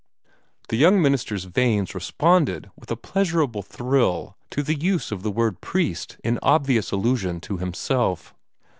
The young minister's veins responded with a pleasurable thrill to the use of the word "priest" in obvious allusion to himself.